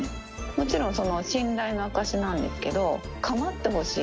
もちろん、信頼の証しなんですけど、構ってほしい。